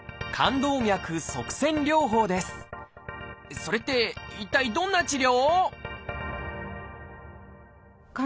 それって一体どんな治療？